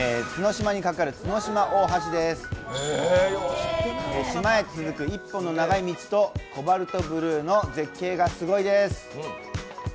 島へ続く一本の長い道とコバルトブルーの絶景がすごいです。